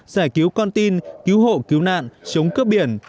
giải cứu con tin cứu hộ cứu nạn chống cướp biển